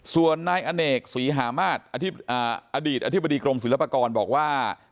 ส่วนนายอเนกศรีหามาศอดีตอธิบดีกรมศิลปากรบอกว่า